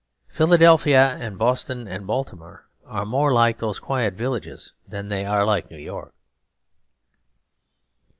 Philadelphia and Boston and Baltimore are more like those quiet villages than they are like New York.